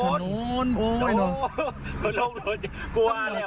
ตำรวจลงรถกลัวแล้ว